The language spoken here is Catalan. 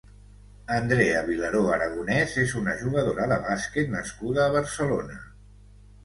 Andrea Vilaró Aragonès és una jugadora de bàsquet nascuda a Barcelona.